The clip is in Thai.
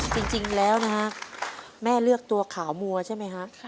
จริงแล้วนะฮะแม่เลือกตัวขาวมัวใช่ไหมฮะ